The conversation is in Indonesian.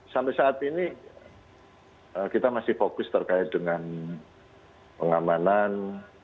sampai saat ini kita masih fokus terkait dengan pengamanan